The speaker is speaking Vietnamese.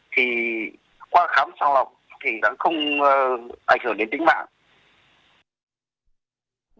thì qua khám sàng lọc thì đã không ảnh hưởng đến tính mạng